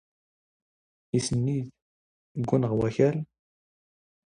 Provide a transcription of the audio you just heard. ⵉⵙ ⵏⵉⵜ ⴳⵓⵏⵏ ⵖ ⵡⴰⴽⴰⵍ.